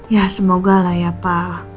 ya semoga lah ya pak